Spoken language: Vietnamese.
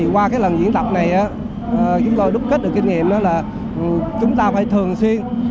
qua lần diễn tập này chúng tôi đúc kết được kinh nghiệm đó là chúng ta phải thường xuyên